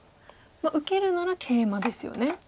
受けるならケイマですよね。